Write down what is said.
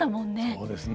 そうですね。